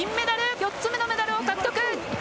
４つ目のメダルを獲得。